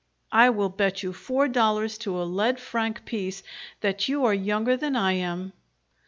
I will bet you four dollars to a lead franc piece that you are younger than I am!"